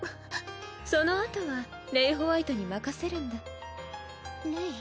そのあとはレイ＝ホワイトに任せるんだレイ？